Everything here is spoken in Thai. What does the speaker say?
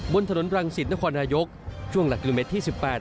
บนถนนรังสิตนครนายกช่วงหลักกิโลเมตรที่๑๘